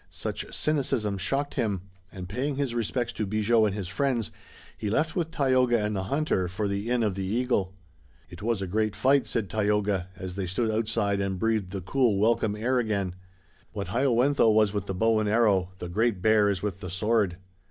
Such cynicism shocked him, and paying his respects to Bigot and his friends, he left with Tayoga and the hunter for the Inn of the Eagle. "It was a great fight," said Tayoga, as they stood outside and breathed the cool, welcome air again. "What Hayowentha was with the bow and arrow the Great Bear is with the sword."